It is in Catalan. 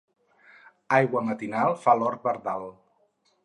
Aigua matinal fa l'hort verdal.